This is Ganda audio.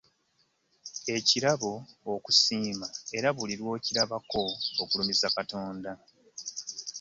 Ekirabo okusiima era buli lw'okirabako ogulumiza Katonda